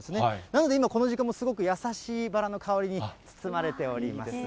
なので今、この時間もすごく優しいバラの香りに包まれております。